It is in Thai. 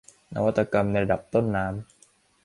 นวัตกรรมในระดับต้นน้ำ